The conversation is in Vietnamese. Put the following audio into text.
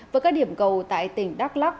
với các điểm cầu tại tỉnh đắk lắc